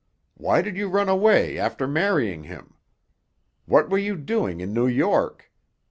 Why did you run away after marrying him? What were you doing in New York?